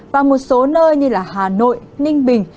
và một số nơi như hà nội ninh bình